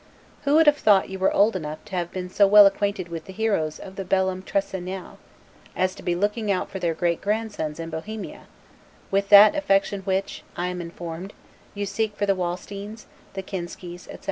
Who would have thought you were old enough to have been so well acquainted with the heroes of the 'Bellum Tricennale', as to be looking out for their great grandsons in Bohemia, with that affection with which, I am informed, you seek for the Wallsteins, the Kinskis, etc.